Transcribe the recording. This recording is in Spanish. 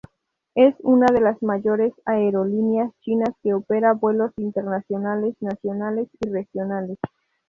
Es una de las mayores aerolíneas chinas que opera vuelos internacionales, nacionales y regionales.